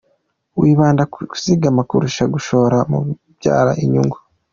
Wibanda ku kuzigama kurusha gushora mu bibyara inyungu.